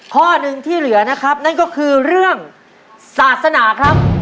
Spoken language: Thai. ข้อหนึ่งที่เหลือนะครับนั่นก็คือเรื่องศาสนาครับ